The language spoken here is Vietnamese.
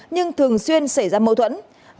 nhưng thường xuyên xảy ra mâu thuẫn